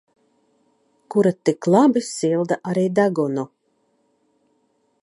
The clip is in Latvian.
Kura tik labi silda arī degunu.